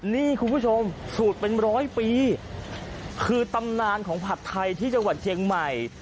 นี่คุณผู้ชมสูตรเป็นร้อยปีคือตำนานของผัดไทยที่จังหวัดเชียงใหม่